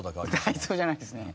体操じゃないですね。